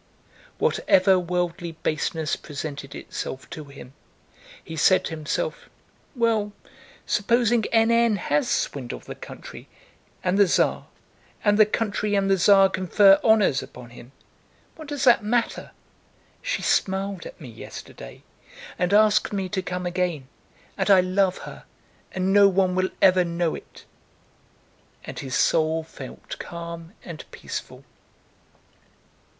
Whatever worldly baseness presented itself to him, he said to himself: "Well, supposing N. N. has swindled the country and the Tsar, and the country and the Tsar confer honors upon him, what does that matter? She smiled at me yesterday and asked me to come again, and I love her, and no one will ever know it." And his soul felt calm and peaceful.